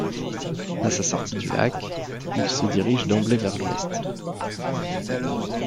À sa sortie du lac, il se dirige d'emblée vers l'ouest.